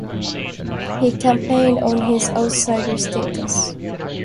He campaigned on his outsider status.